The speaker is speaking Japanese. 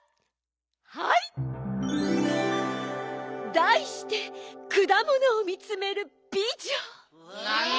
だいして「くだものをみつめるびじょ」。